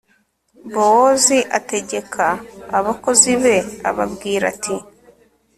bowozi ategeka abakozi be, ababwira ati